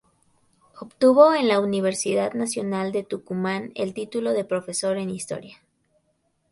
Obtuvo en la Universidad Nacional de Tucumán el título de Profesor en Historia.